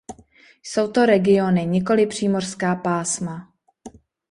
Jsou to regiony, nikoli přímořská pásma.